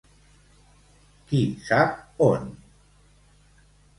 Qui sap on.